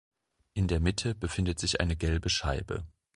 In der Mitte befindet sich eine gelbe Scheibe.